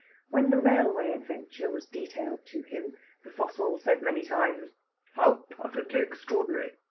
When the railway adventure was detailed to him, the fossil said many times, "How _per_fectly extraordinary!"